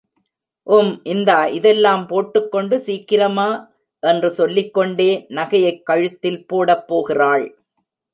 உம், இந்தா இதெல்லாம் போட்டுக்கொண்டு சீக்கிரமா...... என்று சொல்லிக்கொண்டே நகையைக் கழுத்தில் போடப் போகிறாள்.